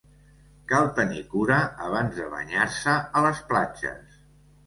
Cal tenir cura abans de banyar-se a les platges.